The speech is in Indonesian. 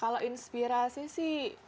kalau inspirasi sih